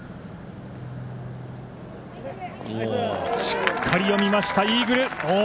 しっかり読みました、イーグル！